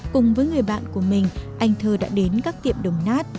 cùng với người bạn của mình anh thơ đã đến các tiệm đồng nát